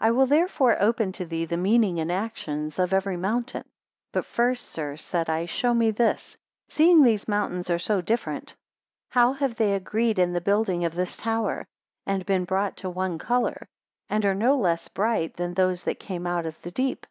I will therefore open to thee the meaning and actions of every mountain. 165 But first, sir, said I, show me this; Seeing these mountains are so different, how have they agreed in the building of this tower; and been brought to one colour; and are no less bright than those that came out of the deep?